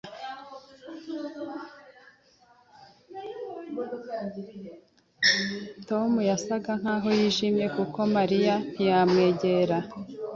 Tom yasaga nkaho yijimye, nuko Mariya ntiyamwegera.